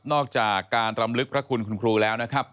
อกจากการรำลึกพระคุณคุณครูแล้วนะครับ